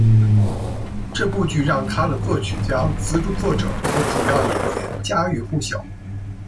这部剧让它的作曲家、词作者和主要演员家喻户晓。